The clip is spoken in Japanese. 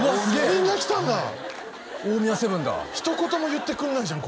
みんな来たんだ大宮セブンだひと言も言ってくれないじゃん